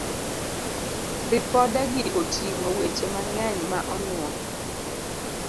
Ripodegi oting'o weche mang'eny ma onuwo